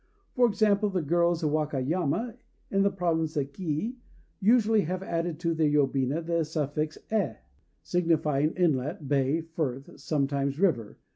For example, the girls of Wakayama, in the Province of Kii, usually have added to their yobina the suffix "ë," signifying "inlet," "bay," "frith," sometimes "river."